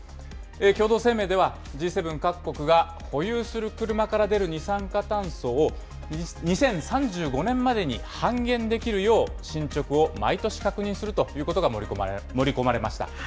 共同声明では、Ｇ７各国が保有する車から出る二酸化炭素を２０３５年までに半減できるよう、進捗を毎年確認するということが盛り込まれました。